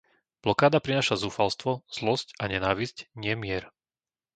Blokáda prináša zúfalstvo, zlosť a nenávisť, nie mier.